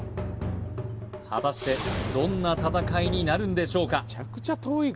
果たしてどんな戦いになるんでしょうか？